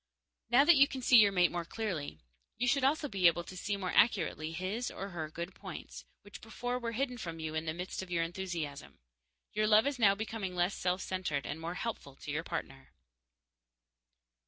Now that you can see your mate more clearly, you should also be able to see more accurately his, or her, good points, which before were hidden from you in the mist of your enthusiasm. Your love is now becoming less self centered and more helpful to your partner.